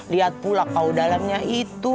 lihat pula kau dalamnya itu